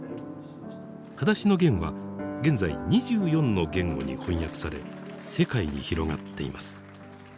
「はだしのゲン」は現在２４の言語に翻訳され世界に広がっています。